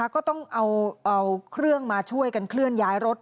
ก็ต้องเอาเครื่องมาช่วยกันเคลื่อนย้ายรถ